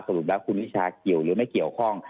รุปแล้วคุณวิชาเกี่ยวหรือไม่เกี่ยวข้อง